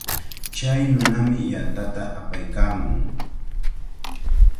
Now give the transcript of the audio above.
Chay nunami yantata apaykaamun.